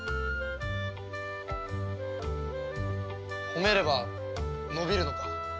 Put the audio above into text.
褒めれば伸びるのか？